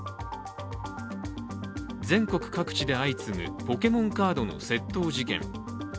全国各地で相次ぐ、ポケモンカードの窃盗事件。